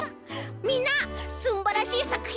みんなすんばらしいさくひんを。